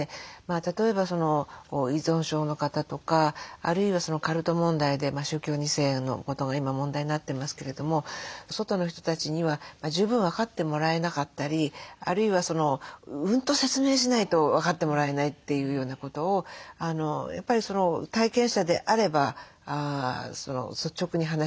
例えば依存症の方とかあるいはカルト問題で宗教２世のことが今問題になってますけれども外の人たちには十分分かってもらえなかったりあるいはうんと説明しないと分かってもらえないというようなことをやっぱり体験者であれば率直に話し合えるとかですね